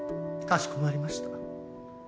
かしこまりました。